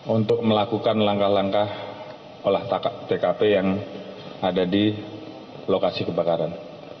untuk melakukan langkah langkah olah tkp yang ada di lokasi kebakaran